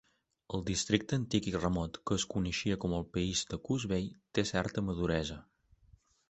El districte antic i remot que es coneixia com el país de Coos Bay té certa maduresa.